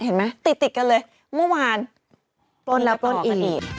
เห็นไหมติดกันเลยเมื่อวานโปรดรับโปรดอีก